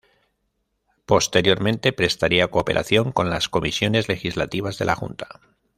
Posteriormente prestaría cooperación con las comisiones legislativas de la Junta.